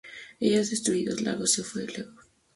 Ellos son destruidos en el lago de fuego.